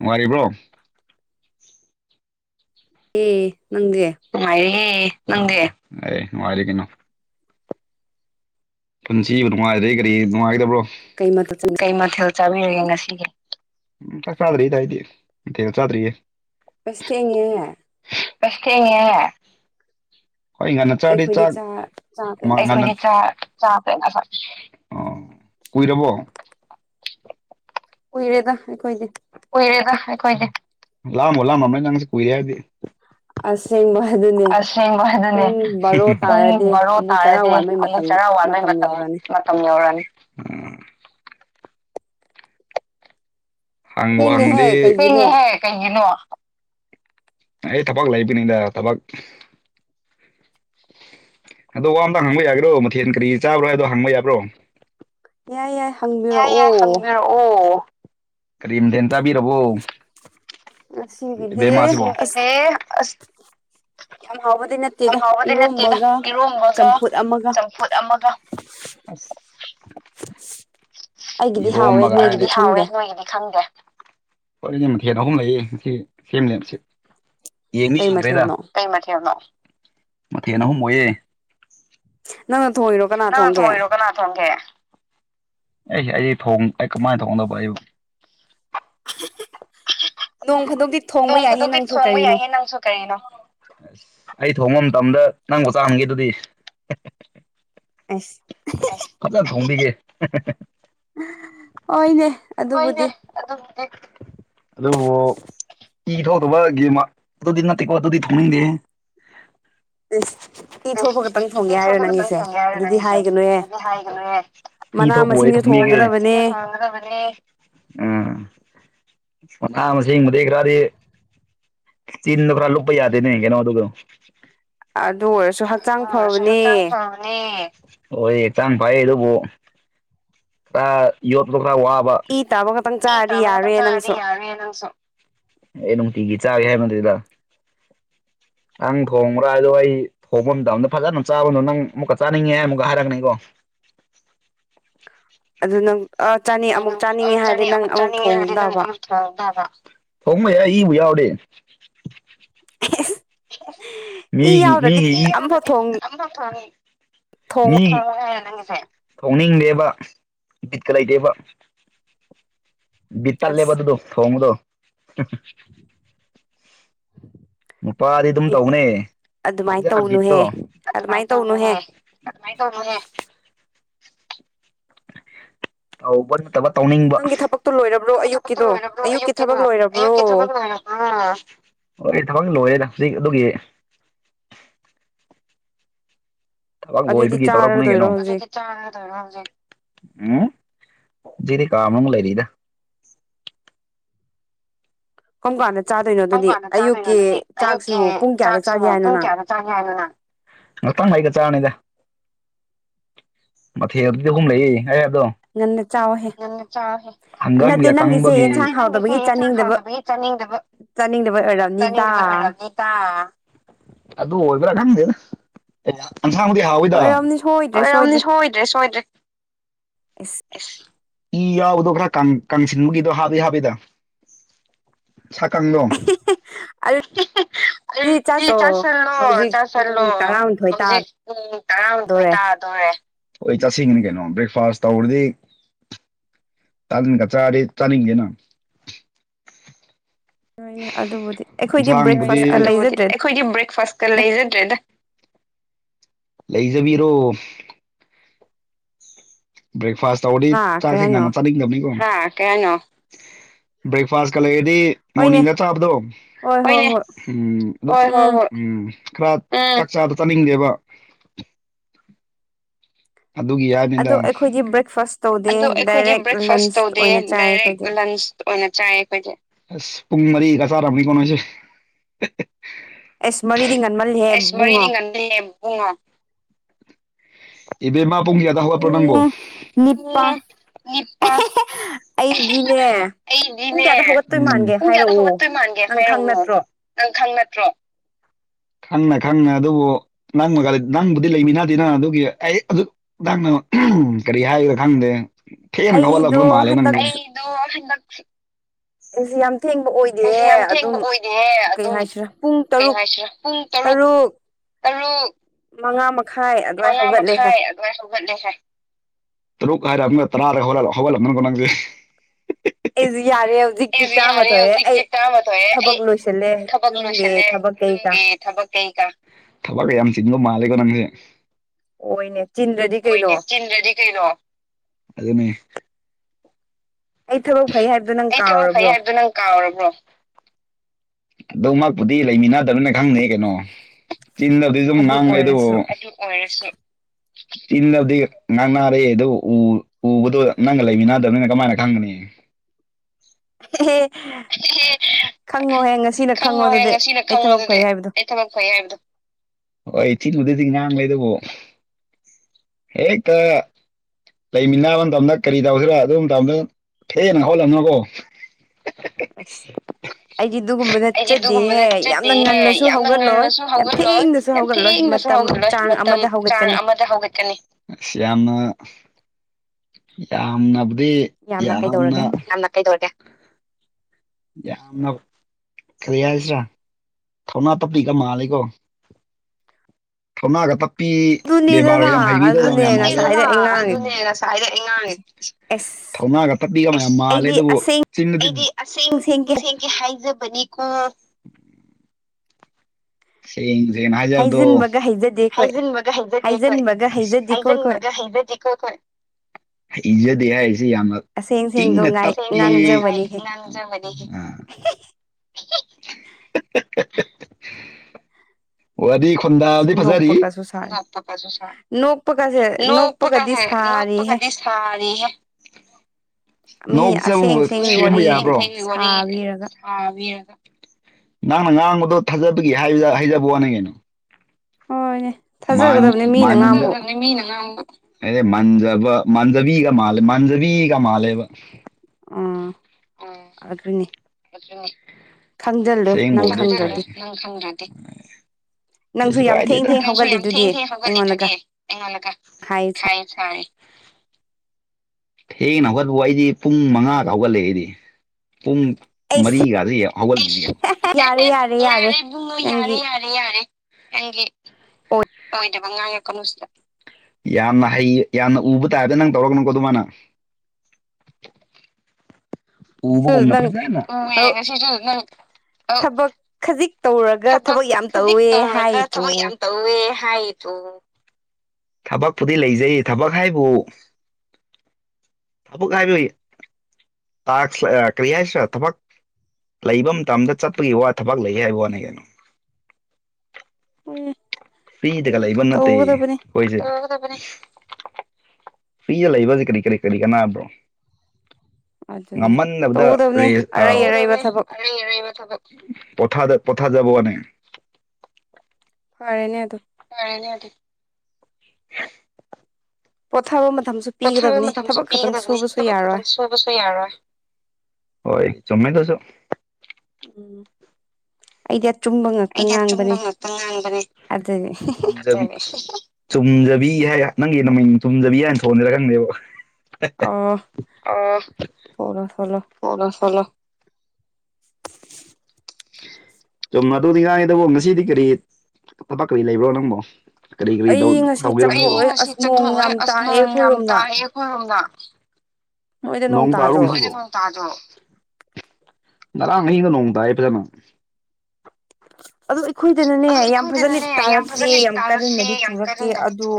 ꯅꯨꯡꯉꯥꯏꯔꯤꯕ꯭ꯔꯣ ꯑꯦ ꯅꯪꯗꯦ ꯅꯨꯡꯉꯥꯢꯔꯤꯌꯦ ꯄꯨꯟꯁꯤꯕꯨ ꯅꯨꯡꯉꯥꯏꯇꯔꯗꯤ ꯀꯔꯤ ꯅꯨꯡꯉꯥꯏꯒꯗꯕ꯭ꯔꯣ ꯀꯩꯪ ꯃꯊꯦꯜ ꯆꯒꯦ ꯀꯩ ꯃꯊꯦꯜ ꯆꯥꯔꯒꯦ ꯉꯁꯤ꯫ ꯆꯥꯛ ꯆꯥꯗ꯭ꯔꯤꯌꯦ ꯑꯗꯨꯅ ꯃꯊꯦꯜ ꯆꯥꯗ꯭ꯔꯤꯌꯦ ꯑꯁ ꯊꯦꯡꯉꯦꯅꯦ ꯑꯁ ꯊꯦꯡꯉꯦ ꯍꯣꯏ ꯉꯟꯅ ꯆꯥꯗꯦ ꯑꯩꯈꯣꯏꯗꯤ ꯆꯥꯛ ꯆꯥ ꯆꯥꯗꯣꯏꯅꯦ ꯑꯁ ꯀꯨꯏꯔꯕꯣ ꯀꯨꯏꯔꯦꯗ ꯑꯩꯈꯣꯏꯗꯤ ꯂꯥꯝꯕꯨ ꯂꯥꯝꯃꯝꯃꯅꯤ ꯅꯪꯗꯤ ꯀꯨꯏꯔꯦ ꯍꯥꯏꯗꯤ ꯑꯁꯦꯡꯕ ꯑꯗꯨꯅꯦ ꯑꯁꯦꯡꯕ ꯑꯗꯨꯅꯦ ꯄꯨꯡ ꯕꯥꯔꯣ ꯄꯨꯡ ꯇꯥꯔꯗꯤ ꯕꯥꯔꯣ ꯑꯃꯨꯛ ꯆꯔꯥ ꯇꯥꯔꯗꯤ ꯋꯥꯟꯕꯩ ꯑꯃꯨꯛ ꯃꯇꯝ ꯆꯔꯥ ꯋꯥꯟꯕꯩ ꯃꯇꯝ ꯌꯧꯔꯅꯤ ꯃꯇꯝ ꯌꯧꯔꯅꯤ ꯊꯦꯡꯉꯦꯍꯦ ꯑꯩ ꯊꯕꯛ ꯂꯩꯕꯩꯅꯤꯗ ꯑꯗꯣ ꯋꯥ ꯑꯃꯠꯇ ꯍꯪꯕ ꯌꯥꯕ꯭ꯔꯣ ꯀꯔꯤ ꯃꯊꯦꯜ ꯆꯥꯕ꯭ꯔꯣ ꯌꯥꯏ ꯌꯥꯏ ꯍꯪꯕꯤꯔꯛꯑꯣ ꯀꯔꯤꯃꯊꯦꯟ ꯆꯥꯕꯤꯔꯕꯣ ꯉꯁꯤꯒꯤꯗꯤ ꯏꯕꯦꯝꯃꯁꯤꯕꯣ ꯑꯦ ꯑꯁ ꯌꯥꯝ ꯍꯥꯎꯕꯗꯤ ꯌꯥꯝ ꯅꯠꯇꯦꯗ ꯍꯥꯎꯕꯗꯤ ꯏꯔꯣꯝꯕꯒ ꯆꯝꯐꯨꯠ ꯑꯃꯒ ꯆꯝꯐꯨꯠ ꯑꯃꯒ ꯑꯩꯒꯤꯗꯤ ꯍꯥꯎꯋꯦ ꯅꯣꯏꯒꯤꯗꯤ ꯏꯔꯣꯝꯕꯒꯗꯤ ꯍꯥꯎꯋꯦ ꯈꯪꯗꯦ ꯅꯣꯏꯒꯤꯗꯤ ꯈꯪꯗꯦ ꯃꯊꯦꯜ ꯑꯍꯨꯝ ꯂꯩꯌꯦ ꯉꯁꯤ ꯌꯦꯡꯗꯤ ꯀꯩ ꯌꯦꯡꯅꯤꯡꯈ꯭ꯔꯦꯗ ꯃꯊꯦꯜꯅꯣ ꯀꯔꯤ ꯃꯊꯦꯜꯅꯣ ꯅꯪꯅ ꯊꯣꯛꯉꯤꯔꯣ ꯑꯩꯅ ꯊꯣꯡꯗꯤꯌꯦ ꯅꯣꯡ ꯐꯗꯧꯗꯤ ꯅꯣꯡ ꯈꯨꯗꯧꯗꯤ ꯊꯣꯡꯕ ꯌꯥꯏꯍꯦ ꯅꯪꯁꯨ ꯀꯅꯣ ꯑꯁ ꯑꯩ ꯊꯣꯡꯕ ꯃꯇꯝꯗ ꯅꯪ ꯃ ꯆꯥ ꯍꯪꯒꯦ ꯑꯗꯨꯗꯤ ꯑꯁ ꯐꯖꯅ ꯊꯣꯡꯕꯤꯒꯦ ꯍꯣꯏꯅꯦ ꯑꯗꯨꯕꯨꯗꯤ ꯑꯗꯨ ꯑꯗꯨꯕꯨ ꯏꯤ ꯊꯧꯗꯕ ꯒꯦꯝꯃ ꯑꯗꯨꯗꯤ ꯅꯠꯇꯦꯀꯣ ꯑꯗꯨꯗꯤ ꯊꯧꯅꯤꯡꯗꯦ [inaudible] ꯏꯁ ꯏꯤ ꯊꯣꯛꯄ ꯈꯛꯇꯪ ꯊꯣꯡꯒꯦ ꯍꯥꯏꯔꯣ ꯅꯪꯒꯤꯁꯦ ꯑꯗꯨꯗꯤ ꯍꯥꯏꯒꯅꯣ ꯅ ꯏ ꯊꯣꯛꯄ ꯑꯩ ꯊꯣꯛꯒꯦ ꯊꯣꯡꯒꯗꯕꯅꯦ ꯎꯝꯁꯗ ꯀ꯭ꯔꯥꯔ ꯇꯤꯟ ꯂꯔꯥ ꯂꯨꯄꯩ ꯌꯥꯗꯦꯅꯦ ꯀꯩꯅꯣ ꯑꯗꯨꯒꯣ ꯑꯗꯨ ꯑꯣꯏꯔꯁꯨ ꯍꯛꯆꯥꯡ ꯐꯕꯅꯦ ꯍꯣꯏ ꯍꯛꯆꯥꯡ ꯐꯩ ꯑꯗꯨꯕꯨ ꯈꯔ ꯌꯣꯠꯄ ꯈꯔꯕ ꯏ ꯇꯥꯕ ꯈꯛꯇꯪ ꯏ ꯆꯥꯔꯗꯤ ꯌꯥꯔꯣꯏ ꯇꯕꯣꯒꯇꯆꯥ ꯑꯗꯤ ꯅꯪꯁꯨ ꯌꯥꯕꯦ ꯑꯅꯟꯁꯨꯣ ꯑꯦ ꯅꯨꯡꯇꯤꯒꯤ ꯆꯥꯒꯦ ꯍꯥꯏꯕꯅꯗꯦꯗ ꯅꯪ ꯊꯣꯡꯕ꯭ꯔꯥ ꯑꯗꯣ ꯑꯩ ꯊꯣꯡꯕ ꯃꯇꯝꯗ ꯐꯖꯅ ꯆꯥꯕꯗꯣ ꯅꯪ ꯑꯃꯨꯛꯀ ꯆꯥꯅꯤꯡꯉꯦ ꯍꯥꯏ ꯑꯃꯨꯛ ꯔꯛꯅꯤꯀꯣ ꯑꯗꯨ ꯅꯪ ꯑ ꯑꯗꯨꯪ ꯆꯅꯤ ꯑꯃꯨꯛ ꯆꯥꯅꯤꯡꯉ ꯍꯥꯏꯔꯗꯤ ꯅꯪ ꯊꯣꯡꯗꯕ ꯑꯃꯨ ꯍꯣꯡꯃ ꯑꯩꯕꯨ ꯌꯥꯎꯔꯦ ꯑꯦ ꯎꯝ ꯑꯝꯐꯥꯎ ꯊꯣꯡꯉꯣ ꯎꯝ ꯃꯤ ꯊꯣꯡꯅꯤꯡꯗꯦꯕ ꯕꯤꯠꯀ ꯂꯩꯗꯦꯕ ꯕꯤꯠ ꯇꯠꯂꯦꯕ ꯑꯁ ꯑꯗꯨꯗꯣ ꯊꯣꯡꯉꯗꯣ ꯅꯨꯄꯥ ꯑꯗꯨ ꯑꯗꯨꯝ ꯑꯦ ꯑꯗꯨꯃꯥꯏꯅ ꯇꯧꯅꯨꯍꯦ ꯇꯧꯅꯦꯠꯇꯣ ꯑꯗꯨꯃꯥꯏꯅ ꯇꯧꯅꯨꯍꯦ ꯑ ꯊ ꯇꯧꯅꯤꯡꯕ ꯅꯪꯒꯤ ꯊꯕꯛꯇꯣ ꯂꯣꯏꯔꯕ꯭ꯔꯣ ꯅꯒꯤ ꯊꯛꯇ ꯑꯌꯨꯛꯀꯤꯗꯣ ꯂꯣꯏꯔꯕ꯭ꯔꯣ ꯑꯌꯨꯛꯀꯤ ꯑꯌꯨꯛꯀꯤꯗꯣ ꯊꯕꯛ ꯂꯣꯏꯔꯕ꯭ꯔꯣ ꯑꯌꯨꯛꯀꯤ ꯊꯕ ꯂꯣ ꯑꯣ ꯑꯩ ꯊꯕꯛ ꯂꯣꯏꯔꯦꯗ ꯍꯧꯖꯤꯛ ꯑꯗꯨꯒꯤ ꯊꯕꯥꯛ ꯑꯗꯨꯗꯤ ꯑꯣꯏꯕꯒꯤ ꯊꯧꯔꯛꯄ ꯅꯩ ꯆꯥꯔꯗꯣꯏꯔꯣ ꯀꯩꯅꯣ ꯍꯧꯖꯤꯛ ꯎꯝ ꯦꯗꯤ ꯀꯥꯃ ꯂꯩꯔꯤꯗ ꯀꯝ ꯀꯥꯟꯗ ꯆꯥꯗꯣꯏꯣ ꯀꯪ ꯀꯥꯟꯗ ꯆꯥꯗꯣꯏꯅꯣ ꯑꯗꯨꯗꯤ ꯑꯌꯨꯛꯀꯤ ꯄꯨꯡ ꯀꯌꯥꯗ ꯆꯥꯒꯦ ꯆꯥꯛꯁꯤꯅꯣ ꯍꯥꯏꯅꯣ ꯄꯨꯡ ꯅꯪ ꯀꯌꯥꯗ ꯉꯇꯥꯡ ꯍꯥꯏꯩꯒ ꯆꯥꯔꯅꯤꯗ ꯃꯊꯦꯜꯔꯗꯤꯒꯨꯝ ꯂꯩ ꯑꯩ ꯑꯗꯣ ꯉꯟꯅ ꯆꯥꯎꯍꯦ ꯅꯠꯇꯦ ꯅꯪꯒꯤꯁꯦ ꯍꯪꯒꯤꯕꯒꯤ ꯑꯦꯟꯁꯥꯡ ꯅꯪꯒꯤꯁ ꯌꯦꯟꯁꯥꯡ ꯍꯗꯕꯒꯤ ꯆꯥꯅꯤꯡꯗꯕ ꯆꯥꯅꯤꯡꯗꯕꯩ ꯑꯣꯏꯔꯝꯅꯤꯗ ꯑꯗꯨ ꯑꯣꯏꯕ꯭ꯔꯥ ꯈꯗꯦꯟꯗꯤ ꯗ ꯑꯣꯏꯔꯝꯅꯤ ꯁꯣꯏꯗ꯭ꯔꯦ ꯍꯣꯏꯝꯅꯤ ꯁꯣꯏꯗ꯭ꯔꯦ ꯁꯣꯏꯗ꯭ꯔꯦꯣꯏꯗ꯭ꯔꯦ ꯏ ꯌꯥꯎꯕꯗꯣ ꯈꯔ ꯀꯪꯁꯤꯟꯕꯒꯤꯗꯣ ꯍꯥꯞꯄꯤ ꯍꯥꯞꯄꯤꯗ ꯁꯈꯪꯗꯣ ꯑꯩ ꯑꯩꯗꯤ ꯆꯥꯁꯤꯜꯂꯣ ꯍꯧꯖꯤꯛ ꯄꯨꯡ ꯆꯥꯁꯤꯜꯂꯣ ꯇꯔꯥꯃꯥꯊꯣꯏ ꯍꯧꯖꯤꯛ ꯇꯥꯗꯣꯔꯦ ꯇꯔꯥꯊꯣꯏꯇꯥ ꯍꯣꯏ ꯆꯥꯁꯤꯦꯡꯅꯤ ꯀꯩꯅꯣ ꯕ꯭ꯔꯦꯛꯐꯥꯁ ꯇꯧꯔꯗꯤ ꯆꯥ ꯀ ꯆꯔꯦ ꯆꯥꯂꯤꯗꯦꯅ ꯅꯣꯏꯅꯦ ꯑꯗꯨꯕꯨꯗꯤ ꯑꯩꯈꯣꯏꯗꯤ ꯕ꯭ꯔꯦꯛꯐꯥꯁꯀ ꯂꯩꯖꯗ꯭ꯔꯦ ꯑꯩꯈꯕꯦꯛꯖꯗ꯭ꯔꯦꯗ ꯂꯩꯖꯕꯤꯔꯣ ꯕ꯭ꯔꯦꯛꯐꯥꯁ ꯇꯧꯔꯗꯤ ꯍꯥ ꯆꯥꯛ ꯀꯩ ꯍꯥꯏꯅꯣ ꯊꯦꯡꯅꯅ ꯆꯠꯅꯤꯡꯗꯕꯅꯤ ꯀ ꯀꯩ ꯍꯥꯏꯅꯣ ꯕ꯭ꯔꯦꯛꯐꯥꯁꯀ ꯂꯩꯔꯗꯤ ꯍꯣꯏꯅꯦ ꯃꯣꯔꯅꯤꯡꯗ ꯆꯥꯕꯗꯣꯝ ꯍꯣꯏ ꯍꯣꯏ ꯍꯣꯏꯅꯦ ꯍꯣꯏ ꯑꯝ ꯍꯥꯏ ꯍꯣꯏ ꯎꯝ ꯈꯔ ꯆꯥꯛ ꯆꯥꯗ ꯆꯥꯅꯤꯡꯗꯦꯕ ꯑꯗꯨꯒꯤ ꯌꯥꯅꯤꯗ ꯑꯗꯣ ꯑꯩꯈꯣꯏꯗꯤ ꯕ꯭ꯔꯦꯛꯐꯥꯁ ꯇꯧꯗꯦ ꯑꯣ ꯑꯩꯈꯣꯏꯗꯤ ꯗꯥꯏꯔꯦꯛ ꯕ꯭ꯔꯦꯛꯐꯥꯁ ꯂꯟꯁ ꯇꯧꯗꯦ ꯑꯣꯏꯅ ꯆꯥꯏ ꯗꯥꯏꯔꯦꯛ ꯑꯩꯈꯣꯏꯗꯤ ꯂꯟꯁ ꯑꯣꯏꯅ ꯆꯥꯏꯌꯦ ꯑꯩꯈꯣꯏꯗꯤ ꯑꯁ ꯄꯨꯡ ꯃꯔꯤꯒ ꯆꯥꯔꯕꯅꯤꯀꯣ ꯅꯣꯏꯁꯦ ꯑꯁ ꯃꯔꯤꯗꯤ ꯉꯟꯃꯜꯂꯍꯦꯕꯨꯡꯉꯣ ꯑꯦꯕꯨꯡꯉꯣ ꯏꯕꯦꯝꯃ ꯄꯨꯡ ꯀꯌꯥꯗ ꯍꯧꯒꯠꯄꯅꯣ ꯅꯪꯕꯣ ꯄꯨꯡ ꯄꯨꯡ ꯅꯤꯄꯥꯜ ꯅꯤꯄꯥꯟ ꯑꯩꯗꯤꯅꯦ ꯄꯨꯡ ꯑꯩꯗꯤꯅꯦ ꯀꯌꯥꯗ ꯍꯧꯒꯠꯇꯣꯏ ꯃꯥꯟꯒꯦ ꯄꯨꯡ ꯀꯌꯥꯗ ꯍꯥꯏꯔꯛꯑꯣ ꯍꯧꯒꯠꯇꯣꯏ ꯃꯥꯟꯒꯦ ꯅꯪ ꯈꯪ ꯍꯥꯏꯔꯛꯃꯣ ꯅꯠꯇ꯭ꯔꯣ ꯅꯪ ꯈꯪ ꯅꯠꯇ꯭ꯔꯣ ꯈꯪꯅ ꯈꯪꯅ ꯑꯗꯨꯕꯨ ꯅꯪꯕ ꯅꯪꯕꯨꯗꯤ ꯂꯩꯃꯤꯅꯗꯤꯅ ꯑꯗꯨꯒꯤ ꯑꯩ ꯅꯪꯅ ꯀꯔꯤ ꯍꯥꯏꯅꯣ ꯈꯪꯗꯦ ꯊꯦꯡꯅ ꯑꯩꯗꯣ ꯈꯒꯠꯂꯕꯒ ꯃꯥꯜꯂꯦ ꯅꯪꯅ ꯍꯟꯗꯛ ꯑꯗꯨ ꯋꯥ ꯍꯟ ꯂꯁꯤ ꯑꯩꯁꯤ ꯌꯥꯝ ꯊꯦꯡꯕ ꯑꯣꯏ ꯑꯩꯁꯨꯦ ꯌꯥꯝ ꯊꯦꯡꯕ ꯑꯣꯏꯗꯦ ꯑꯗꯨꯝ ꯄꯨꯡ ꯀꯩ ꯇꯔꯨꯛ ꯍꯥꯏꯁꯤꯔꯥ ꯄꯨꯡ ꯇꯔꯨꯛ ꯇꯔꯨꯛ ꯃꯉꯥ ꯃꯈ ꯃꯉꯥ ꯃꯈꯥꯏ ꯑꯗꯨꯃꯥꯏ ꯍꯧꯒꯠꯂꯦ ꯍꯥꯏꯦ ꯇꯔꯨꯛ ꯍꯥꯏꯔꯦ ꯑꯃ ꯇꯔꯥꯔ ꯍꯧꯒꯠꯂꯂꯝꯃꯅꯀꯣ ꯅꯪꯁꯦ ꯑꯩꯁꯨ ꯌꯥꯔꯦ ꯑꯩ ꯍꯧꯖꯤꯛꯇꯤ ꯍꯧꯖꯤꯛ ꯌꯥꯔꯦ ꯆꯥꯝꯃꯊꯣꯏꯑꯦ ꯑꯩ ꯍꯧꯖꯤꯛꯇꯤ ꯇꯔꯥꯃꯥꯊꯣꯏ ꯑꯩ ꯊꯕꯛ ꯂꯣꯏꯁꯤꯜꯂꯦ ꯊꯕꯛ ꯌꯨꯝꯒꯤ ꯂꯣꯏꯁꯤꯜꯂꯦ ꯊꯕꯛ ꯀꯩ ꯀ ꯌꯨꯝꯒꯤ ꯊꯕꯛꯀ ꯌꯥꯝ ꯆꯤꯟꯕ ꯃꯥꯜꯂꯦꯀꯣ ꯅꯪꯁꯦ ꯍꯣꯏꯅꯦ ꯍꯣꯏꯅꯦ ꯆꯤꯟꯗ꯭ꯔꯗꯤ ꯀꯩꯅꯣ ꯑꯗꯨ ꯑꯩ ꯊꯕꯛ ꯐꯩ ꯍꯥꯏꯕꯗꯨꯣ ꯅꯪ ꯐꯩ ꯀꯥꯎꯔꯕ꯭ꯔꯣ ꯍꯥꯏꯕꯗꯣ ꯅꯪ ꯀꯥꯎꯔꯕ꯭ꯔꯣ ꯑꯗꯨ ꯃꯥꯄꯨꯗꯤ ꯂꯩꯃꯤꯟꯅꯗꯕꯅꯤꯅ ꯈꯪꯗꯦ ꯀꯩꯅꯣ ꯆꯤꯟꯗꯕꯨꯗꯤ ꯁꯨꯝ ꯑꯗꯨ ꯉꯥꯡꯂꯦ ꯑꯗꯨꯕꯨ ꯑꯣꯏꯔꯁꯨ ꯑꯣꯏꯔꯁꯨ ꯇꯜꯂꯕꯗꯤ ꯉꯥꯡꯅꯔꯛꯑꯦ ꯑꯗꯨꯕꯨ ꯎ ꯎꯕꯗꯣ ꯅꯪꯒ ꯂꯩꯃꯤꯟꯅꯗꯕꯅꯤꯅ ꯀꯃꯥꯏꯅ ꯈꯪꯒꯅꯤ ꯑꯦ ꯑꯦꯍꯦ ꯈꯪꯉꯣꯍꯌꯦ ꯉꯁꯤꯅ ꯈꯪꯉꯣ ꯑꯗꯨꯗꯤ ꯑꯩ ꯊꯕꯛ ꯐꯩ ꯍꯥꯏꯕꯗꯣ ꯊꯕꯛ ꯐꯩ ꯍꯥꯏꯕꯗꯣ ꯍꯣꯏ ꯆꯤꯡꯕꯨꯗꯗꯤ ꯉꯥꯡ ꯂꯩ ꯑꯗꯨꯕꯨ ꯍꯦꯛꯇ ꯂꯩꯃꯤꯟꯅꯕ ꯃꯇꯝꯗ ꯀꯔꯤ ꯇꯧꯁꯤꯔ ꯑꯗꯨ ꯃꯇꯝꯗ ꯊꯦꯅ ꯉꯍꯜꯂꯝꯕꯅꯀꯣ ꯑꯩꯁ ꯑꯩꯗꯤ ꯑꯗꯨꯒꯨꯝꯕ ꯑꯩꯗꯤ ꯆꯠꯆꯗꯦꯍꯦ ꯌꯥꯝꯅ ꯗꯤꯌꯦ ꯉꯜꯂꯁꯨ ꯌꯥꯝꯅ ꯍꯧꯒꯠꯂꯣꯏ ꯉꯟꯅꯁꯨ ꯌꯥꯝ ꯍꯧꯒꯠꯂꯣꯏ ꯊꯦꯡꯅꯁꯨ ꯌꯥꯝ ꯍꯧꯒꯠꯂꯣꯏ ꯊꯦꯡꯅꯁꯨ ꯃꯇꯝ ꯍꯧꯒꯠꯂꯣꯏ ꯆꯥꯡ ꯃꯇꯝ ꯑꯃꯗ ꯆꯥꯡ ꯍꯧꯒꯠꯀꯅꯤ ꯑꯃꯗ ꯍꯧꯒꯠꯀꯅꯤ ꯑꯁ ꯌꯥꯝꯅ ꯌꯥꯝꯅꯕꯨꯗꯤ ꯌꯥꯝꯅ ꯌꯥꯝ ꯀꯩꯗꯧꯒꯦ ꯌꯥꯝꯅ ꯀꯔꯤ ꯍꯥꯏꯁꯤ꯭ꯔ ꯊꯣꯅꯥ ꯇꯄꯤꯒ ꯃꯥꯥꯡꯜꯂꯤꯀꯣ ꯊꯣꯅꯥꯒ ꯅꯨꯄꯤ ꯕꯦꯕꯥꯔ ꯑꯗꯨꯅꯦꯗꯅ ꯌꯥꯝ ꯍꯩꯕꯤꯗꯕ ꯌꯥꯝ ꯑꯗꯨꯅꯦ ꯌꯥꯝ ꯉꯁꯥꯏꯗ ꯑꯩ ꯉꯥꯡꯉꯤ ꯑꯗꯨꯅꯦ ꯉꯁꯥꯏꯗ ꯑꯉꯥꯡ ꯑꯦꯁ ꯊꯧꯅꯥꯒ ꯇꯞꯄꯤꯒ ꯃꯌꯥꯝ ꯃꯥꯜꯂꯦ ꯑꯩꯗꯤ ꯑꯗꯨꯕꯨ ꯑꯁꯦꯡ ꯑꯁ ꯁꯦꯡꯒꯦ ꯅꯨꯡ ꯕꯅꯤꯀꯣ ꯁꯦꯡ ꯁꯦꯡꯅ ꯍꯥꯏꯖꯕꯗꯣ‌ ꯍꯥꯏꯖꯤꯟꯕꯒ ꯍꯩꯖꯗꯦ ꯑꯩꯈꯣꯏ ꯍꯥꯏꯖꯟꯕꯗꯣ ꯍꯩꯖꯗꯦ ꯑꯈꯣꯏ ꯍꯥꯏꯖꯤꯟꯕꯒ ꯍꯩꯖꯗꯦꯀꯣ ꯑꯩꯈꯣꯏ ꯍꯥꯏꯖꯟꯕꯗꯣ ꯍꯩꯖꯗꯦ ꯍꯩꯖꯗꯦ ꯍꯥꯏꯁꯤ ꯌꯥꯝ ꯑꯁꯦꯡ ꯁꯦꯡꯗꯣ ꯏꯪꯅ ꯇꯞꯄꯤ ꯉꯥꯡꯖꯕꯅꯦꯍꯦ [unintelligible] ꯋꯥꯗꯤ ꯈꯣꯟꯟꯗꯥꯗꯤ ꯐꯥꯖꯔꯤ ꯅꯣꯛꯄꯒꯁꯨ ꯁꯥꯔꯦ ꯅꯣꯛꯄ ꯅꯣꯛꯄꯒꯁꯦ ꯅꯣꯛꯄꯒꯗꯤ ꯅꯣꯛꯄ ꯁꯥꯔꯤꯍꯦ ꯀꯗꯤ ꯁꯥꯔꯤꯌꯦ ꯃꯤ ꯑꯁꯦꯡ ꯅꯣꯛꯆꯕꯕꯨ ꯁꯦꯡꯕꯒꯤ ꯁꯦꯝꯕ ꯋꯥꯔꯤ ꯌꯥꯕ꯭ꯔꯣ ꯁꯥꯕꯤꯔꯒ ꯅꯪꯅ ꯉꯥꯡꯕꯗꯣ ꯊꯥꯖꯕꯒꯤ ꯍꯥꯏꯕꯗ ꯍꯩꯖꯕ ꯋꯥꯅꯤ ꯀꯩꯅꯣ ꯍꯣꯏꯅꯦ ꯊꯥꯖꯒꯗꯕꯅꯦ ꯃꯤꯅ ꯉꯥꯡꯕꯨ [unintelligible] ꯑꯦ ꯃꯟꯖꯕ ꯃꯟꯖꯕꯤꯒ ꯃꯥꯜꯂꯦ ꯃꯟꯖꯕꯤꯒ ꯃꯥꯜꯂꯦꯕ ꯑꯣ ꯑꯗꯨꯅꯤ ꯈꯪꯖꯤꯜꯂꯨ ꯅꯪ ꯈꯪꯗ꯭ꯔꯗꯤ [inaudible] ꯅꯪꯁꯨ ꯌꯥꯝ ꯊꯦꯡ ꯊꯦꯡ ꯅꯪꯁꯨ ꯌꯥꯝ ꯍꯧꯒꯠꯂꯤꯗꯨꯗꯤ ꯊꯦꯡꯅ ꯊꯦꯡ ꯑꯩꯉꯣꯟꯗꯒ ꯍꯧꯒꯠꯂꯤꯗꯨꯗꯤ ꯑꯩꯉꯣꯟꯗꯒ ꯍꯥꯏ [unintelligible] ꯊꯦꯡꯅ ꯍꯧꯒꯠꯄ ꯑꯩꯗꯤ ꯄꯨꯡ ꯃꯉꯥꯗ ꯍꯧꯒꯠꯂꯦ ꯑꯩꯗꯤ ꯄꯨꯡ ꯑꯩꯁ ꯃꯔꯤꯒꯗꯦ ꯍꯧꯒ ꯌꯥꯔꯦ ꯅꯪꯒꯤ ꯌꯥꯔꯦ ꯌꯥꯔ ꯌꯥꯔꯦ ꯅꯪꯒꯤ ꯑꯣꯢꯗꯕ ꯌꯥꯝꯅ ꯍꯩ ꯌꯥꯝꯅ ꯎꯕ ꯇꯥꯕꯗꯤ ꯅꯪ ꯇꯧꯔꯒꯅꯨꯀꯣ ꯑꯗꯨꯃꯅ ꯎꯕ ꯑꯣꯏꯁꯨ ꯀꯅ ꯅꯪ ꯐꯅ ꯊꯕꯛ ꯈꯖꯤꯛ ꯇꯧꯔꯒ ꯊꯕꯛ ꯌꯥꯝ ꯇꯧꯋꯦ ꯇꯧꯔ ꯍꯥꯏꯗꯨ ꯇꯧꯋꯦ ꯊꯕꯛꯄꯨꯗꯤ ꯂꯩꯖꯩ ꯊꯕꯛ ꯍꯥꯏꯕꯨ ꯊꯕꯛ ꯍꯥꯏꯕꯤ ꯀꯔꯤ ꯍꯥꯏꯁꯤꯔ ꯊꯕꯛ ꯂꯩꯕ ꯃꯇꯝꯗ ꯆꯠꯄꯒꯤ ꯋꯥ ꯊꯕꯛ ꯂꯩꯌꯦ ꯍꯥꯏꯕ ꯋꯥꯅꯤ ꯎꯝ ꯐꯔꯤꯗꯒꯥ ꯂꯩꯕ ꯅꯠꯇꯦ ꯇꯧꯒꯗꯕꯅꯤ ꯈꯣꯏꯁꯦ ꯐꯔꯤꯗ ꯂꯩꯕꯁꯦ ꯀꯔꯤ ꯀꯔꯤ ꯀꯔꯤ ꯀꯅꯥꯕ꯭ꯔꯣ ꯑꯗꯨꯅꯤ ꯇꯧꯒꯗꯕꯅꯤ ꯑꯔꯩ ꯑꯔꯩꯕ ꯊꯕꯛ [unintelligible] ꯄꯣꯊꯥ ꯄꯣꯊꯥꯗꯕ ꯋꯥꯅꯦ ꯐꯔꯦꯅꯦ ꯑꯗꯨ [unintelligible] ꯄꯣꯊꯥꯕ ꯃꯇꯝꯁꯨ ꯄꯣꯊꯥꯕ ꯄꯤꯒꯗꯕꯅꯤ ꯃꯇꯝ ꯊꯕꯛ ꯈꯛꯇꯪ ꯁꯨꯕꯁꯨ ꯌꯥꯔꯣꯏ [unintelligible] ꯎꯝ ꯑꯩꯗꯤ ꯑꯆꯨꯝꯕ ꯉꯥꯛ ꯑꯩꯩꯗꯤ ꯑꯆꯨꯝꯗ ꯉꯥꯛꯇ ꯉꯥꯟꯕꯅꯦ ꯑꯗꯨꯅꯤ ꯆꯨꯝꯖꯕꯤ ꯍꯥꯏ ꯅꯪꯒꯤ ꯅꯃꯤꯡ ꯆꯨꯝꯖꯕꯤ ꯍꯥꯏꯅ ꯊꯣꯟꯁꯤꯔ ꯈꯪꯗꯦꯕꯨ ꯑꯣ ꯊꯣꯜꯂꯣ ꯊꯣꯜꯂꯣ ꯊꯣꯜꯂꯣ ꯊꯣꯜꯂꯣ ꯆꯨꯝꯅ ꯑꯗꯨꯗꯤ ꯉꯥꯏꯗꯕꯣ ꯉꯁꯤꯗꯤ ꯀꯔꯤ ꯊꯕꯛ ꯀꯔꯤ ꯂꯩꯕ꯭ꯔꯣ ꯅꯪꯕꯣ [unintelligible] ꯑꯩ ꯉꯁꯤ ꯆꯠꯊꯣꯛꯑꯣꯏ ꯑꯁ ꯅꯣꯡ ꯌꯥꯝ ꯇꯥꯛꯑꯦ ꯑꯩꯈꯣꯏꯔꯣꯝꯗ ꯅꯣꯏꯗ ꯅꯣꯡ ꯇꯥꯗ꯭ꯔꯣ [unintelligible] ꯉꯔꯥꯡ ꯑꯍꯤꯡꯗ ꯅꯣꯡ ꯇꯏꯌꯦ ꯐꯖꯅ [inaudible] ꯑꯗꯨ ꯑꯩꯈꯣꯏꯗꯅꯅꯦ ꯌꯥꯝ ꯐꯖꯅ ꯇꯥꯔꯛꯇꯦ ꯌꯥꯝ ꯇꯥꯔꯛ ꯀꯟꯅꯗꯤ ꯆꯨꯔꯛꯇꯦ ꯑꯗꯣ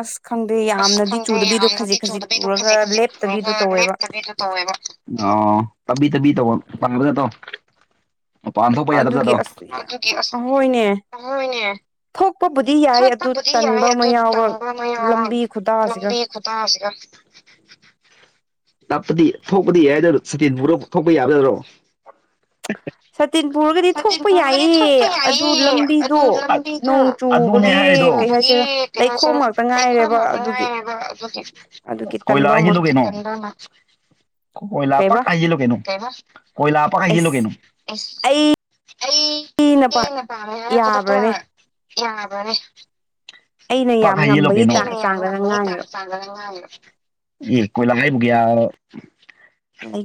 ꯑꯁ ꯈꯪꯗꯦ ꯑꯁ ꯌꯥꯝꯅꯗꯤ ꯈꯪꯗꯦ ꯆꯨꯗꯕꯤꯗꯣ ꯈꯖꯤꯛ ꯈꯖꯤꯛ ꯆꯨꯔꯒ ꯂꯦꯞꯇꯕꯤꯗꯣ ꯇꯧꯋꯦꯕ ꯑꯗꯨꯒꯤ [unintelligible] ꯃꯄꯥꯟ ꯊꯣꯛꯄ ꯑꯗꯨꯒꯤ ꯌꯥꯗꯕꯖꯥꯠꯗꯣ ꯑꯁ ꯌꯥꯝ ꯑꯍꯣꯏꯅꯦ ꯊꯣꯛꯄꯕꯨꯗꯤ ꯌꯥꯏ ꯑꯗꯨ ꯐꯠꯇꯕꯗꯤ ꯌꯥꯏ ꯇꯟꯕ ꯑꯃ ꯑꯗꯨ ꯌꯥꯎꯕ ꯆꯪꯕ ꯃꯌꯥꯝ ꯂꯝꯕꯤ ꯈꯨꯇꯥꯁꯤꯒ ꯂꯝꯕꯤ ꯑꯗꯨꯒꯤ [unintelligible] ꯇꯤꯟꯕꯨ꯭ꯔꯣ ꯊꯣꯛꯣꯛꯄ ꯌꯥꯕꯔꯣ ꯁꯇꯤꯟ ꯄꯨꯨꯔꯔꯒꯗꯤ ꯊꯣꯛꯄ ꯌꯥꯏ ꯊꯣꯛꯄ ꯌꯥꯏꯌꯦ ꯑꯗꯨ ꯂꯝꯕꯤꯗꯨ ꯅꯣꯡ ꯑꯗꯨ ꯆꯨꯕꯒꯤ ꯍꯥꯏꯔꯤꯗꯣ ꯀꯩ ꯍꯥꯏꯁꯤꯔꯥ ꯂꯩꯈꯣꯝ ꯉꯥꯛꯇ ꯉꯥꯏꯔꯦꯕ ꯑꯗꯨꯒꯤ ꯑꯗꯨꯒꯤ ꯇꯟꯕ ꯑꯃ [unintelligible] ꯀꯣ ꯀꯣꯏꯂꯥ ꯄꯥꯛ ꯀꯩꯕ ꯍꯩꯖꯤꯟꯂꯨꯒꯤꯅꯨ ꯀꯩꯕ ꯀꯣꯏꯂꯥ ꯄꯥꯛ ꯑꯦꯁ ꯍꯩꯖꯤꯟꯂꯨꯒꯤꯅꯨ ꯑꯩ ꯑꯩ ꯑꯩꯅ ꯊꯦꯡꯅ ꯄꯥꯝꯃꯦ ꯍꯥꯏꯔ ꯈꯨꯗꯛꯇ ꯌꯥꯕ꯭ꯔꯥꯅꯦ ꯌꯥꯕꯅꯦ ꯑꯩꯅ ꯄꯥꯛ ꯌꯥꯝ ꯉꯝꯕꯒꯤ ꯍꯩꯖꯤꯟꯂꯨꯒꯤꯅꯨ ꯑꯩꯅ ꯌꯥꯝ ꯆꯥꯡꯗ ꯅꯪ ꯉꯝꯕꯒꯤ ꯉꯥꯡꯉꯤꯔꯣ ꯇꯥ꯭ꯏꯞꯇ [unintelligible]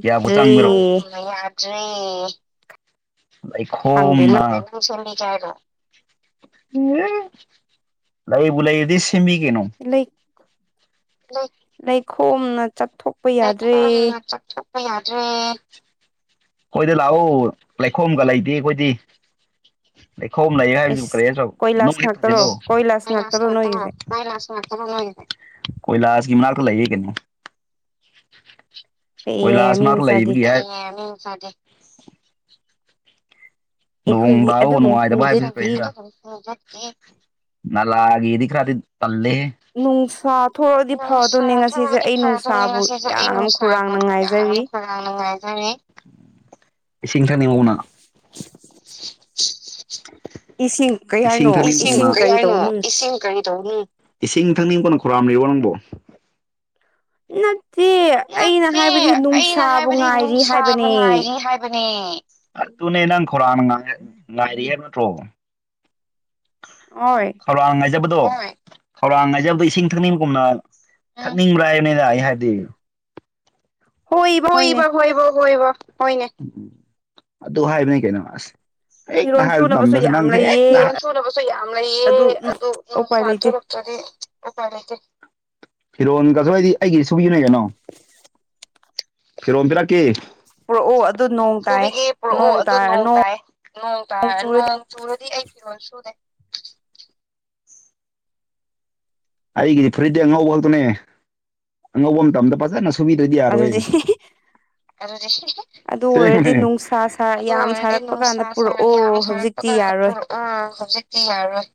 ꯀꯌꯥꯕꯨ ꯆꯪꯕ꯭ꯔꯣ ꯈꯪꯗꯦ ꯂꯩꯈꯣꯝꯅ ꯅꯪ ꯂꯩꯕꯨ ꯂꯩꯔꯗꯤ ꯁꯦꯝꯕꯤ ꯀꯩꯅꯣ ꯂꯩ ꯂꯩ [unintelligible] ꯂꯩꯈꯣꯝꯅ ꯆꯠꯊꯣꯛꯄ ꯌꯥꯗ꯭ꯔꯦ ꯂꯩꯈꯣꯝ ꯌꯥꯗ꯭ꯔꯦ ꯑꯩꯈꯣꯏꯗ ꯂꯥꯛꯎ ꯂꯩꯈꯣꯝꯒ ꯂꯩꯇꯦ ꯑꯩꯈꯣꯏꯗꯤ ꯂꯩꯈꯣꯝ ꯂꯩ ꯍꯥꯏꯁꯤꯕꯨ ꯑꯦꯁ ꯀꯔꯤꯔꯣ ꯅꯨꯡ ꯀꯣꯏꯂꯥꯁ ꯍꯦꯛ ꯉꯥꯛꯇꯔꯣ ꯊꯣꯝꯖꯤꯜꯂꯣ ꯀꯣꯏꯂꯥꯁ ꯉꯥꯛꯇꯔꯣ ꯅꯣꯏꯒꯤꯁꯦ ꯀꯣꯏꯂꯥꯁꯒꯤ ꯃꯅꯥꯀ ꯂꯩꯥꯏꯌꯦ ꯀꯩꯅꯣ ꯀꯣꯏ ꯐꯩꯌꯦ ꯃꯤ ꯂꯥꯁꯅꯥꯇ ꯃꯆꯥꯗꯤ ꯂꯩꯒ ꯑꯩꯈꯣꯏꯗꯤ ꯅꯣꯡꯇꯥꯕꯥꯕꯨ ꯑꯗꯨꯒꯨꯝꯕ ꯅꯨꯡꯉꯥꯏꯇꯥꯕ ꯍꯥꯏꯕꯥꯁꯤ ꯀꯁꯤ꯭ꯔꯥ ꯍꯟꯖꯗꯦ ꯅꯥꯜꯂꯥꯒꯤꯗꯤ ꯈꯥꯔꯥꯗꯤ ꯇꯜꯂꯦ ꯅꯨꯡꯁꯥ ꯊꯣꯛꯂꯛꯑꯗꯤ ꯅꯨꯡꯁꯥ ꯐꯗꯣꯏꯅꯦ ꯉꯁꯤꯁꯦ ꯊꯣꯛꯔꯗꯤ ꯑꯩ ꯐꯔꯗꯕꯥꯅꯤ ꯅꯨꯡꯁꯥꯕꯨ ꯉꯁꯤꯁꯨ ꯑꯩ ꯌꯥꯝ ꯅꯨꯡꯁꯥꯕꯨ ꯈꯧꯔꯥꯡꯅ ꯉꯥꯏꯖꯔꯤ ꯌꯥꯝ [unintelligible] [inaudible] ꯏꯁꯤꯡ ꯀꯩ ꯏꯁꯤꯡ ꯍꯥꯏꯅꯣ ꯀꯔꯤ ꯏꯁꯤꯡ ꯀꯔꯤ ꯍꯥꯏꯅꯣ ꯇꯧꯅꯣ ꯏꯁꯤꯡ ꯀꯔꯤ ꯇꯧꯅꯨ ꯏꯁꯤꯡ ꯊꯛꯅꯤꯡꯕꯅ ꯈꯨꯔꯥꯝꯂꯤꯕꯣ ꯅꯪꯕꯨ ꯅꯠꯇꯦ ꯑꯩꯅ ꯅꯠꯇꯦ ꯍꯥꯏꯕꯗꯤ ꯑꯩꯅ ꯅꯨꯡꯁꯥꯕꯨ ꯍꯥꯏꯕꯗꯤ ꯉꯥꯏꯔꯤ ꯅꯨꯡꯁꯥꯕꯨ ꯍꯥꯏꯕꯅꯦ ꯉꯥꯏꯔꯤ ꯍꯥꯏꯕꯅꯦ ꯑꯗꯨꯅꯦ ꯅꯪ ꯈꯧꯔꯥꯡꯅ ꯉꯥꯏ ꯉꯥꯏꯔꯤ ꯍꯥꯏꯕ ꯅꯠꯇ꯭ꯔꯣ ꯑꯣꯏ ꯈꯧꯔꯥꯡ ꯉꯥꯏꯖꯕꯗꯣ ꯈꯧꯔꯥꯡ ꯉꯥꯏꯖꯕꯤ ꯏꯁꯤꯡ ꯊꯛꯅꯤꯡꯒꯨꯝꯅꯣꯡ ꯊꯛꯅꯤꯡꯕ꯭ꯔꯥ ꯍꯥꯏꯕꯅꯤꯅ ꯑꯩ ꯍꯥꯏꯕꯗꯤ ꯍꯣꯏ ꯍꯣꯏꯅꯦ ꯍꯣꯏꯕ ꯍꯣꯏꯕ ꯍꯣꯏꯕ ꯍꯣꯏꯅꯦ ꯑꯗꯨ ꯍꯥꯏꯕ ꯀꯩꯅꯣ ꯑꯁ ꯍꯦꯛꯇ ꯐꯤꯔꯣꯜ ꯍꯥꯏꯕ ꯁꯨꯅꯕꯁꯨ ꯇꯝꯕꯁꯦ ꯌꯥꯝ ꯅꯪꯁꯦ ꯂꯩꯌꯦ ꯍꯦꯛꯇ ꯐꯤꯔꯣꯜ ꯁꯨꯅꯕꯁꯨ ꯌꯥꯝ ꯂꯩꯌꯦ ꯑꯗꯨ ꯎꯄꯥꯏ ꯅꯨꯡꯁꯥ ꯂꯩꯇꯦ ꯊꯣꯔꯣ ꯑꯗꯨꯗꯤ ꯎꯄꯥꯏ ꯂꯩꯇꯦ ꯐꯤꯔꯣꯟꯒꯁꯨ ꯑꯩꯗꯤ ꯑꯩꯒꯤ ꯁꯨꯕꯤꯌꯨꯅꯦ ꯀꯩꯅꯣ ꯐꯤꯔꯣꯝ ꯄꯤꯔꯛꯀꯦ ꯄꯨꯔꯛꯑꯣ ꯑꯗꯨ ꯅꯣꯡ ꯇꯥꯏ ꯁꯨꯕꯤꯒꯦ ꯄꯨꯔꯛꯑꯣ ꯑꯗꯣ ꯅꯣꯡ ꯇꯥꯏꯌꯦ ꯅꯣꯡ ꯇꯥꯏ ꯑ ꯆꯨꯔꯗꯤ ꯅꯣꯡ ꯆꯨꯔꯗꯤ ꯑꯩ ꯐꯤꯔꯣꯟ ꯁꯨꯗꯦ ꯑꯩꯒꯤꯗꯤ ꯐꯨꯔꯤꯠꯇꯤ ꯑꯉꯧꯕ ꯉꯛꯇꯅꯦ ꯑꯉꯧꯕ ꯃꯇꯝꯗ ꯐꯖꯅ ꯁ ꯁꯨꯕꯤꯗꯗꯤ ꯌꯥꯔꯣꯏ ꯑꯗꯨꯗꯤ ꯑꯗꯨ ꯑꯣꯏꯔꯗꯤ ꯅꯨꯡꯁꯥ ꯑꯗꯨ ꯌꯥꯝ ꯑꯣꯏꯔꯗꯤ ꯁꯥꯔꯛꯄ ꯅꯨꯡꯁꯥ ꯀꯥꯟꯗ ꯁꯥꯏ ꯌꯥꯝ ꯄꯨꯔꯛꯑꯣ ꯁꯥꯔꯛ ꯈꯔ ꯍꯧꯖꯤꯛꯇꯤ ꯉꯟ ꯌꯥꯔꯣꯏ ꯄꯨꯔꯛꯑꯣ ꯍꯧꯖꯤꯛꯇꯤ ꯌꯥꯔꯣꯏ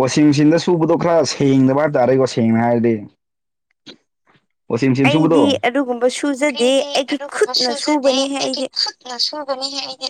ꯋꯥꯁꯤꯡ ꯃꯦꯆꯤꯟꯗ ꯁꯨꯕꯗꯣ ꯈꯔ ꯁꯦꯡꯗꯕ ꯍꯥꯏꯇꯥꯔꯦꯀꯣ ꯁꯦꯡꯅ ꯍꯥꯏꯔꯗꯤ ꯋꯥꯁꯤꯡ ꯃꯦꯆꯤꯟ ꯁꯨꯕꯗꯣ ꯑꯩꯗꯤ ꯑꯗꯨꯒꯨꯝꯕ ꯁꯨꯖꯗꯦ ꯑꯩꯗꯤ ꯑꯩꯒꯤ ꯑꯗꯨꯒꯨꯝꯕ ꯈꯨꯠꯅ ꯁꯨꯖꯗꯦ ꯁꯨꯕꯅꯦꯍꯦ ꯑꯩꯗꯤ ꯊꯨꯠ ꯅꯁꯨꯨꯒꯅꯤ ꯍꯦ ꯑꯩꯗꯤ